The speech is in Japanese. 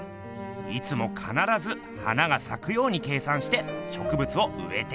いつもかならず花がさくように計算してしょくぶつをうえているっす。